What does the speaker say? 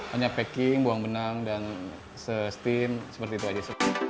hanya packing buang benang dan se stin seperti itu aja